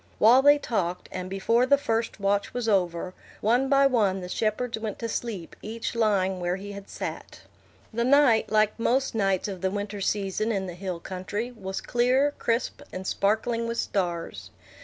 While they talked, and before the first watch was over, one by one the shepherds went to sleep, each lying where he had sat. The night, like most nights of the winter season in the hill country, was clear, crisp, and sparkling with stars.